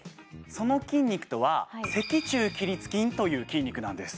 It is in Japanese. その筋肉とは脊柱起立筋という筋肉なんです